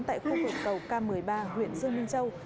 tại khu vực cầu k một mươi ba huyện dương minh châu